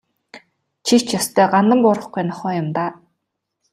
Чи ч ёстой гандан буурахгүй нохой юм даа.